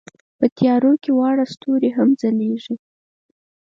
په تیارو کې واړه ستوري هم ځلېږي.